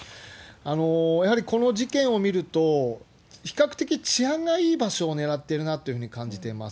やはりこの事件を見ると、比較的治安がいい場所を狙っているなというふうに感じてます。